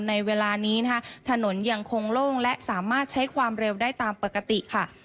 ในเวลานี้นะคะถนนยังคงโล่งและสามารถใช้ความเร็วได้ตามปกติค่ะ